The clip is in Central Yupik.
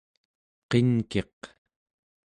qinkiq